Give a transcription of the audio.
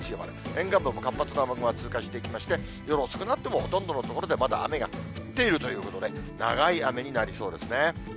沿岸部のほう、活発な雨雲が通過していきまして、夜遅くなっても、ほとんどの所でまだ雨が降っているということで、長い雨になりそうですね。